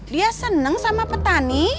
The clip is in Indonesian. dia seneng sama petani